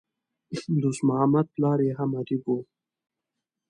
دوست محمد پلار ئې هم ادیب وو.